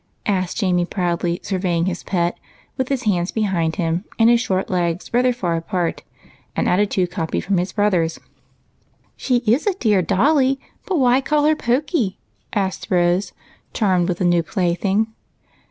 asked Jamie, proudly surveying his pet with his hands behind him and his short legs rather far apart, — a manly at titude copied from his brothers. " She is a dear dolly. But why call her Pokey ?" asked Rose, charmed with the new plaything.